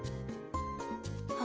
あ！